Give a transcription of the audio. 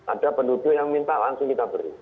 ada penduduk yang minta langsung kita beri